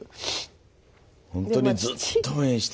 ほんとにずっと応援して。